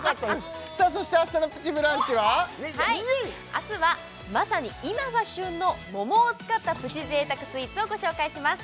明日はまさに今が旬の桃を使ったプチ贅沢スイーツをご紹介します